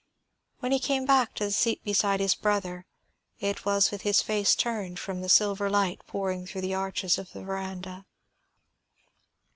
When he came back to the seat beside his brother, it was with his face turned from the silver light pouring through the arches of the veranda.